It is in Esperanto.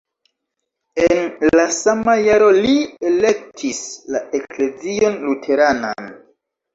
En la sama jaro li elektis la eklezion luteranan.